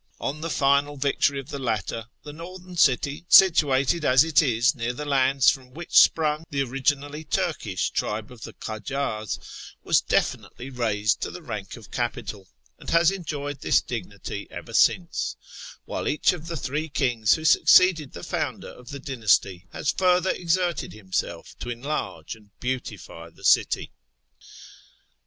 On the final victory of the latter, the northern city, situated as it is near the lands from which sprung the originally Turkish tribe of the Kiijars, was definitely raised to the rank of capital, and has enjoyed this dignity ever since, while each of the three kings who succeeded the founder of the dynasty has further exerted himself to enlarge and beautify the city.